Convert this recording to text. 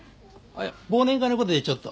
忘年会の事でちょっと。